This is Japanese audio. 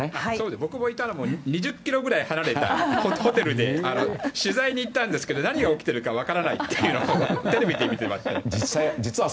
僕がいたのも２０ｋｍくらい離れたところで取材に行っても何が起きているか分からないというテレビで見ていました。